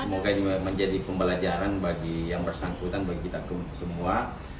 semoga ini menjadi pembelajaran bagi yang bersangkutan bagi kita semua